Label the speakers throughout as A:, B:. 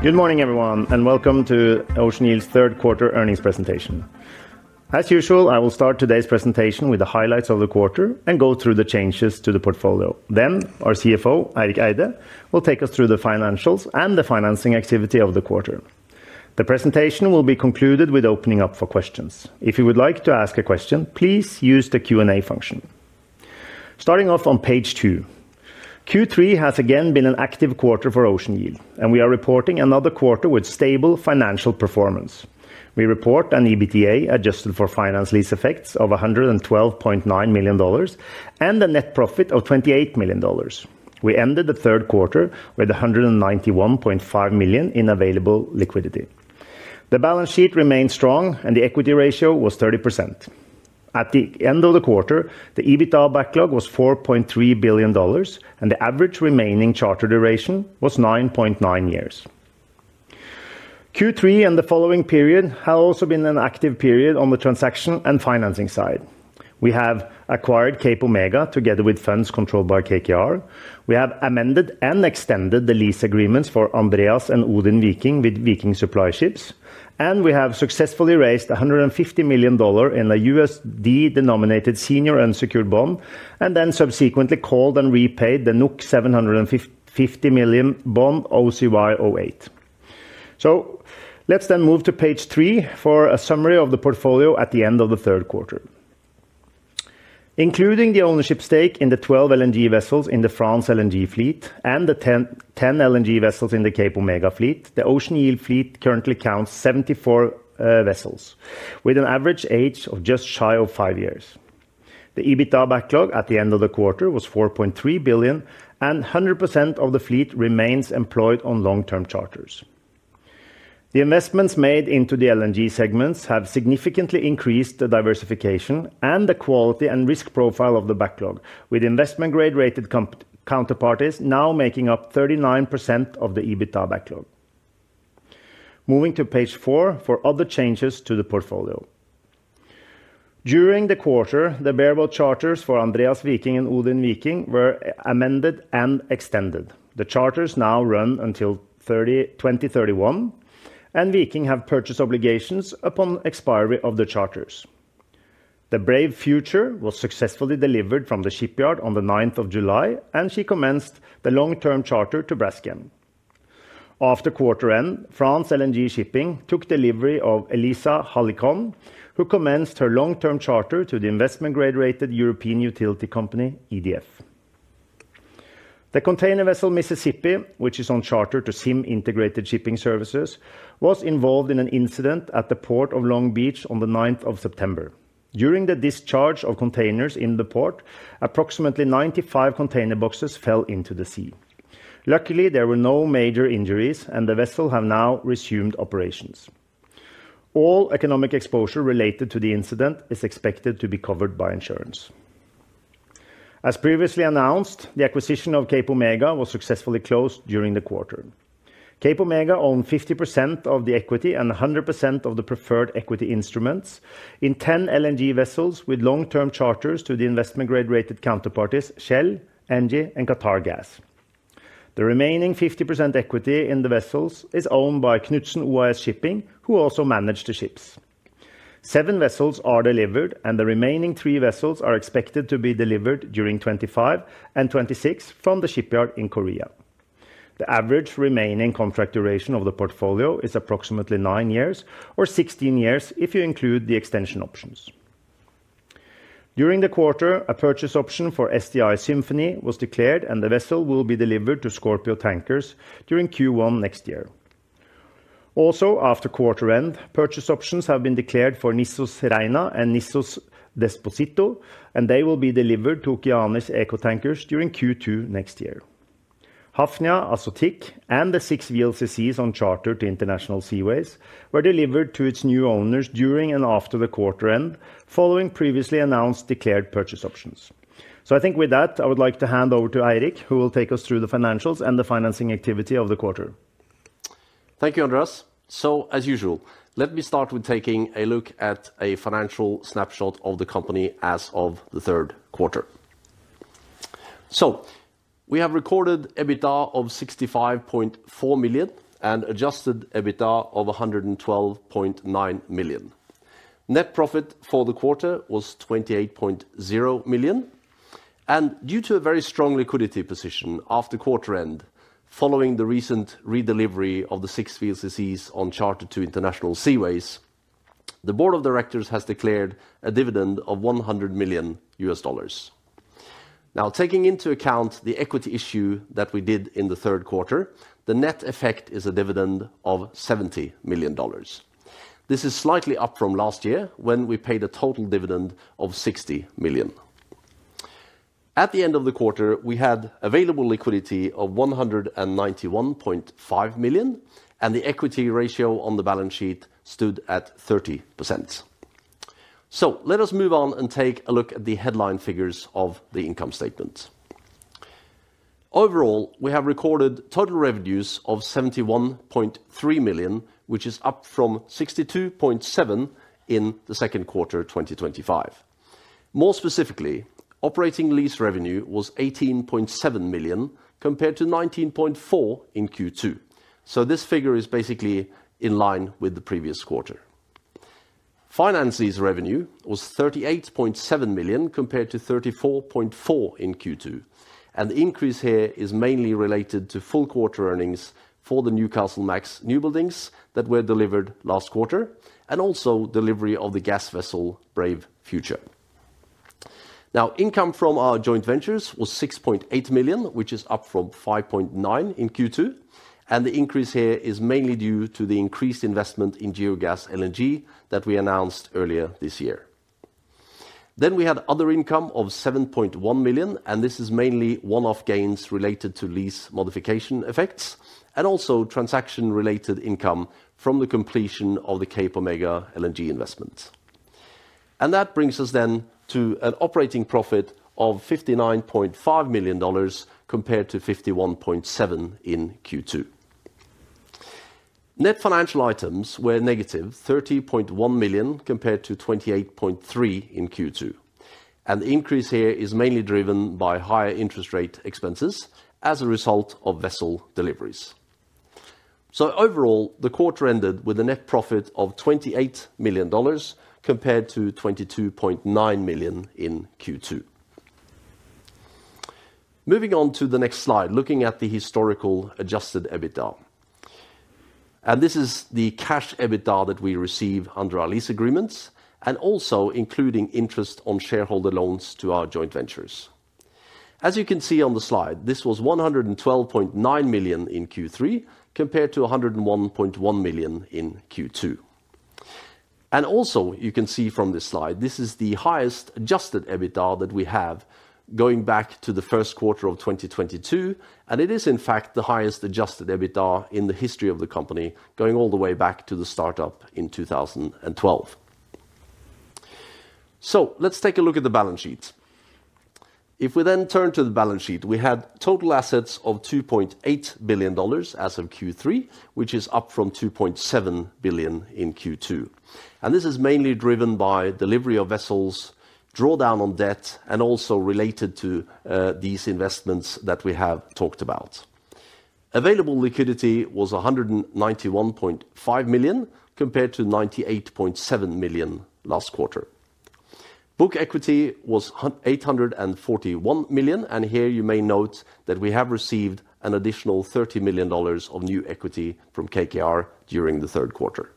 A: Good morning, everyone, and welcome to Ocean Yield's Third Quarter Earnings Presentation. As usual, I will start today's presentation with the highlights of the quarter and go through the changes to the portfolio. Then, our CFO, Eirik Eide, will take us through the financials and the financing activity of the quarter. The presentation will be concluded with opening up for questions. If you would like to ask a question, please use the Q&A function. Starting off on page two, Q3 has again been an active quarter for Ocean Yield, and we are reporting another quarter with stable financial performance. We report an EBITDA adjusted for finance lease effects of $112.9 million and a net profit of $28 million. We ended the third quarter with $191.5 million in available liquidity. The balance sheet remained strong, and the equity ratio was 30%. At the end of the quarter, the EBITDA backlog was $4.3 billion, and the average remaining charter duration was 9.9 years. Q3 and the following period have also been an active period on the transaction and financing side. We have acquired CapeOmega together with funds controlled by KKR. We have amended and extended the lease agreements for Andreas and Odin Viking with Viking Supply Ships, and we have successfully raised $150 million in a USD-denominated senior unsecured bond and then subsequently called and repaid the 750 million bond OCY08. Let's then move to page three for a summary of the portfolio at the end of the third quarter. Including the ownership stake in the 12 LNG vessels in the France LNG fleet and the 10 LNG vessels in the Cape Omega fleet, the Ocean Yield fleet currently counts 74 vessels, with an average age of just shy of five years. The EBITDA backlog at the end of the quarter was $4.3 billion, and 100% of the fleet remains employed on long-term charters. The investments made into the LNG segments have significantly increased the diversification and the quality and risk profile of the backlog, with investment-grade rated counterparties now making up 39% of the EBITDA backlog. Moving to page four for other changes to the portfolio. During the quarter, the bareboat charters for Andreas Viking and Odin Viking were amended and extended. The charters now run until 2031, and Viking have purchase obligations upon expiry of the charters. The Brave Future was successfully delivered from the shipyard on the 9th of July, and she commenced the long-term charter to Braskem. After quarter end, France LNG Shipping took delivery of Elisa Halicon, who commenced her long-term charter to the investment-grade rated European utility company EDF. The container vessel Mississippi, which is on charter to ZIM Integrated Shipping Services, was involved in an incident at the port of Long Beach on the 9th of September. During the discharge of containers in the port, approximately 95 container boxes fell into the sea. Luckily, there were no major injuries, and the vessel has now resumed operations. All economic exposure related to the incident is expected to be covered by insurance. As previously announced, the acquisition of CapeOmega was successfully closed during the quarter. CapeOmega owned 50% of the equity and 100% of the preferred equity instruments in 10 LNG vessels with long-term charters to the investment-grade rated counterparties Shell, Engie, and QatarEnergy. The remaining 50% equity in the vessels is owned by Knutsen OAS Shipping, who also manage the ships. Seven vessels are delivered, and the remaining three vessels are expected to be delivered during 2025 and 2026 from the shipyard in Korea. The average remaining contract duration of the portfolio is approximately nine years or 16 years if you include the extension options. During the quarter, a purchase option for STI Symphony was declared, and the vessel will be delivered to Scorpio Tankers during Q1 next year. Also, after quarter end, purchase options have been declared for Nissos Rhenia and Nissos Despotiko, and they will be delivered to Okeanis Eco Tankers during Q2 next year. Hafnia Azotic and the six VLCCs on charter to International Seaways were delivered to its new owners during and after the quarter end, following previously announced declared purchase options. I think with that, I would like to hand over to Eirik, who will take us through the financials and the financing activity of the quarter.
B: Thank you, Andreas. As usual, let me start with taking a look at a financial snapshot of the company as of the third quarter. We have recorded EBITDA of $65.4 million and adjusted EBITDA of $112.9 million. Net profit for the quarter was $28.0 million. Due to a very strong liquidity position after quarter end, following the recent redelivery of the six VLCCs on charter to International Seaways, the board of directors has declared a dividend of $100 million. Now, taking into account the equity issue that we did in the third quarter, the net effect is a dividend of $70 million. This is slightly up from last year when we paid a total dividend of $60 million. At the end of the quarter, we had available liquidity of $191.5 million, and the equity ratio on the balance sheet stood at 30%. Let us move on and take a look at the headline figures of the income statements. Overall, we have recorded total revenues of $71.3 million, which is up from $62.7 million in the second quarter of 2025. More specifically, operating lease revenue was $18.7 million compared to $19.4 million in Q2. This figure is basically in line with the previous quarter. Finance lease revenue was $38.7 million compared to $34.4 million in Q2. The increase here is mainly related to full quarter earnings for the Newcastlemax newbuildings that were delivered last quarter, and also delivery of the gas vessel Brave Future. Income from our joint ventures was $6.8 million, which is up from $5.9 million in Q2. The increase here is mainly due to the increased investment in Geogas LNG that we announced earlier this year. We had other income of $7.1 million, and this is mainly one-off gains related to lease modification effects and also transaction-related income from the completion of the CapeOmega LNG investment. That brings us then to an operating profit of $59.5 million compared to $51.7 million in Q2. Net financial items were negative $30.1 million compared to $28.3 million in Q2. The increase here is mainly driven by higher interest rate expenses as a result of vessel deliveries. Overall, the quarter ended with a net profit of $28 million compared to $22.9 million in Q2. Moving on to the next slide, looking at the historical adjusted EBITDA. This is the cash EBITDA that we receive under our lease agreements and also including interest on shareholder loans to our joint ventures. As you can see on the slide, this was $112.9 million in Q3 compared to $101.1 million in Q2. You can also see from this slide, this is the highest adjusted EBITDA that we have going back to the first quarter of 2022. It is, in fact, the highest adjusted EBITDA in the history of the company, going all the way back to the startup in 2012. Let's take a look at the balance sheet. If we then turn to the balance sheet, we had total assets of $2.8 billion as of Q3, which is up from $2.7 billion in Q2. This is mainly driven by delivery of vessels, drawdown on debt, and also related to these investments that we have talked about. Available liquidity was $191.5 million compared to $98.7 million last quarter. Book equity was $841 million. You may note that we have received an additional $30 million of new equity from KKR during the third quarter.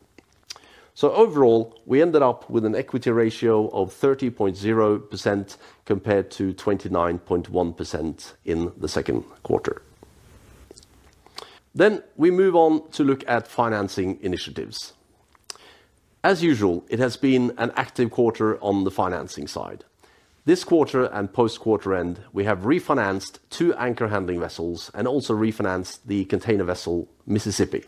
B: Overall, we ended up with an equity ratio of 30.0% compared to 29.1% in the second quarter. We move on to look at financing initiatives. As usual, it has been an active quarter on the financing side. This quarter and post-quarter end, we have refinanced two anchor handling vessels and also refinanced the container vessel Mississippi.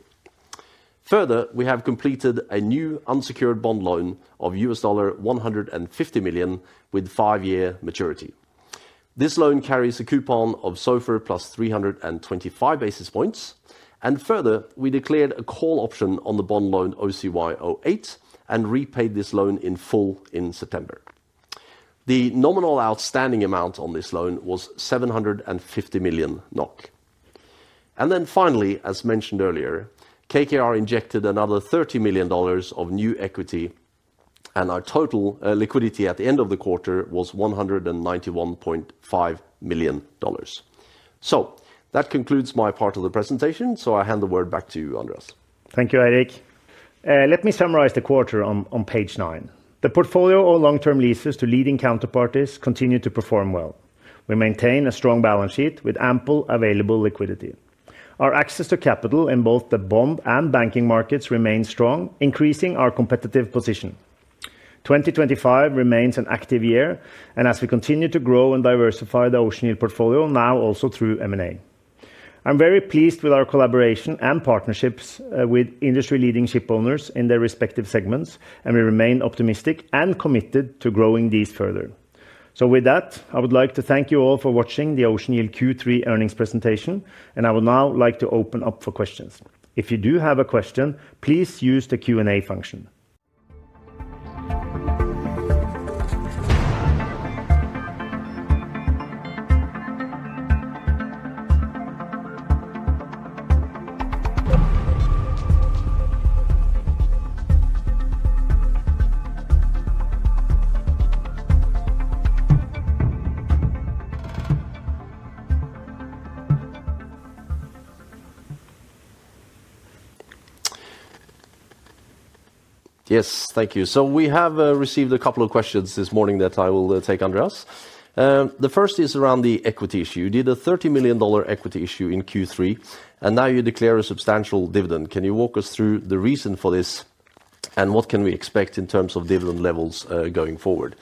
B: Further, we have completed a new unsecured bond loan of $150 million with five-year maturity. This loan carries a coupon of SOFR plus 325 basis points. Further, we declared a call option on the bond loan OCY08 and repaid this loan in full in September. The nominal outstanding amount on this loan was 750 million NOK. Then finally, as mentioned earlier, KKR injected another $30 million of new equity, and our total liquidity at the end of the quarter was $191.5 million. That concludes my part of the presentation. I hand the word back to you, Andreas.
A: Thank you, Eirik. Let me summarize the quarter on page nine. The portfolio or long-term leases to leading counterparties continue to perform well. We maintain a strong balance sheet with ample available liquidity. Our access to capital in both the bond and banking markets remains strong, increasing our competitive position. 2025 remains an active year, and as we continue to grow and diversify the Ocean Yield portfolio, now also through M&A. I am very pleased with our collaboration and partnerships with industry leading ship owners in their respective segments, and we remain optimistic and committed to growing these further. With that, I would like to thank you all for watching the Ocean Yield Q3 Earnings presentation, and I would now like to open up for questions. If you do have a question, please use the Q&A function.
B: Yes, thank you. We have received a couple of questions this morning that I will take, Andreas. The first is around the equity issue. You did a $30 million equity issue in Q3, and now you declare a substantial dividend. Can you walk us through the reason for this, and what can we expect in terms of dividend levels going forward?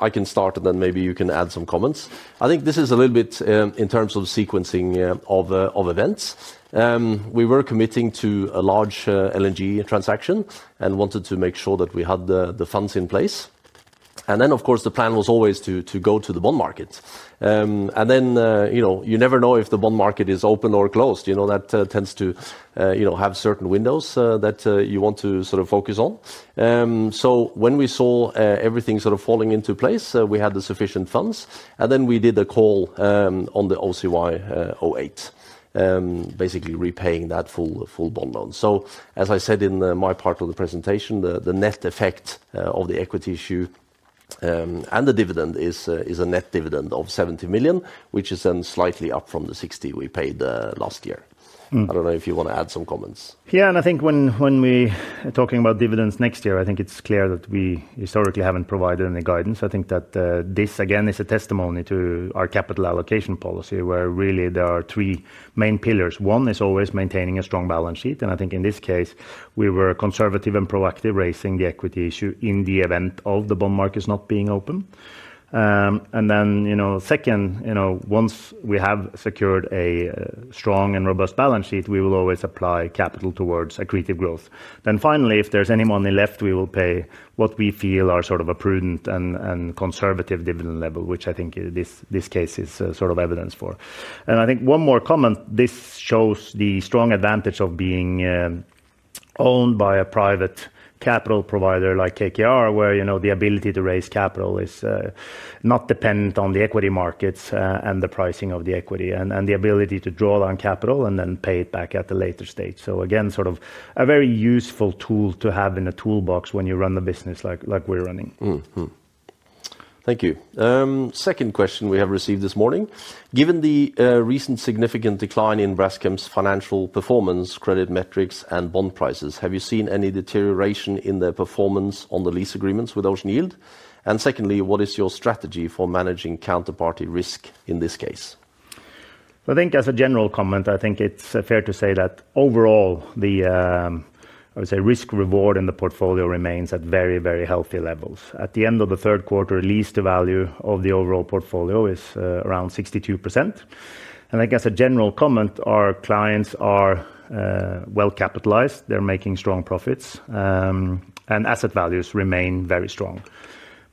B: I can start, and then maybe you can add some comments. I think this is a little bit in terms of sequencing of events. We were committing to a large LNG transaction and wanted to make sure that we had the funds in place. The plan was always to go to the bond market. You never know if the bond market is open or closed. You know that tends to have certain windows that you want to sort of focus on. When we saw everything sort of falling into place, we had the sufficient funds, and then we did a call on the OCY08, basically repaying that full bond loan. As I said in my part of the presentation, the net effect of the equity issue and the dividend is a net dividend of $70 million, which is then slightly up from the $60 million we paid last year. I do not know if you want to add some comments.
A: Yeah, and I think when we are talking about dividends next year, I think it is clear that we historically have not provided any guidance. I think that this, again, is a testimony to our capital allocation policy, where really there are three main pillars. One is always maintaining a strong balance sheet. I think in this case, we were conservative and proactive raising the equity issue in the event of the bond markets not being open. Second, once we have secured a strong and robust balance sheet, we will always apply capital towards accretive growth. Finally, if there is any money left, we will pay what we feel are sort of a prudent and conservative dividend level, which I think this case is sort of evidence for. I think one more comment, this shows the strong advantage of being owned by a private capital provider like KKR, where the ability to raise capital is not dependent on the equity markets and the pricing of the equity and the ability to draw down capital and then pay it back at a later stage. Again, sort of a very useful tool to have in a toolbox when you run the business like we're running.
B: Thank you. Second question we have received this morning. Given the recent significant decline in Braskem's financial performance, credit metrics, and bond prices, have you seen any deterioration in their performance on the lease agreements with Ocean Yield? Secondly, what is your strategy for managing counterparty risk in this case?
A: I think as a general comment, I think it's fair to say that overall, the risk-reward in the portfolio remains at very, very healthy levels. At the end of the third quarter, lease to value of the overall portfolio is around 62%. I think as a general comment, our clients are well capitalized. They're making strong profits, and asset values remain very strong.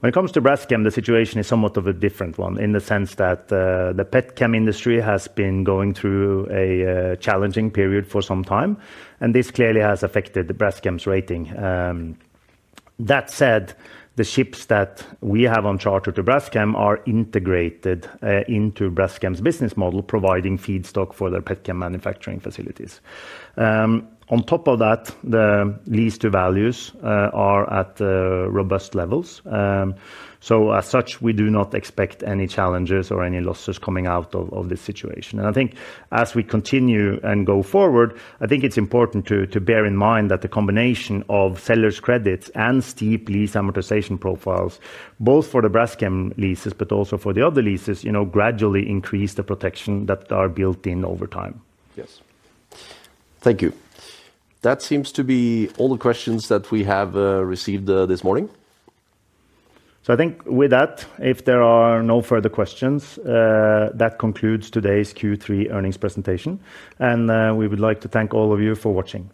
A: When it comes to Braskem, the situation is somewhat of a different one in the sense that the pet chem industry has been going through a challenging period for some time, and this clearly has affected Braskem's rating. That said, the ships that we have on charter to Braskem are integrated into Braskem's business model, providing feedstock for their pet chem manufacturing facilities. On top of that, the lease to values are at robust levels. As such, we do not expect any challenges or any losses coming out of this situation. I think as we continue and go forward, I think it's important to bear in mind that the combination of seller's credits and steep lease amortization profiles, both for the Braskem leases, but also for the other leases, gradually increase the protection that are built in over time.
B: Yes. Thank you. That seems to be all the questions that we have received this morning.
A: I think with that, if there are no further questions, that concludes today's Q3 earnings presentation. We would like to thank all of you for watching.